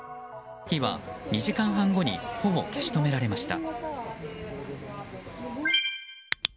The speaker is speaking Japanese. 火は２時間半後にほぼ消し止められました。